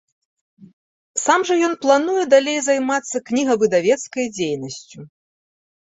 Сам жа ён плануе далей займацца кнігавыдавецкай дзейнасцю.